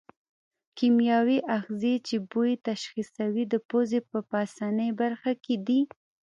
کیمیاوي آخذې چې بوی تشخیصوي د پزې په پاسنۍ برخه کې دي.